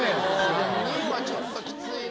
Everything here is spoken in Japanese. ３人はちょっときついな。